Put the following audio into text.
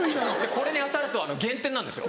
これに当たると減点なんですよ。